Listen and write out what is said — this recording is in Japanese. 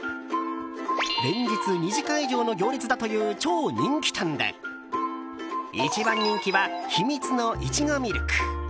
連日、２時間以上の行列だという超人気店で一番人気はひみつのいちごみるく。